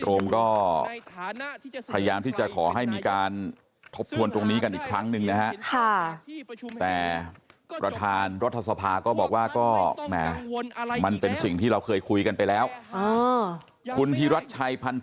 โอ้ยจังหวะนี้เนี่ย